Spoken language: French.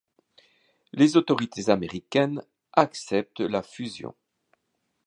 Les autorités américaines acceptent la fusion.